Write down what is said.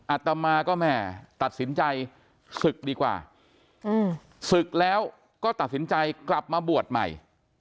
อัตมาก็แม่ตัดสินใจศึกดีกว่าศึกแล้วก็ตัดสินใจกลับมาบวชใหม่